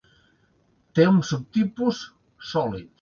Té un subtipus sòlid.